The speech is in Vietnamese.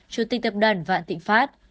chủ tịch tập đoàn vạn tịnh pháp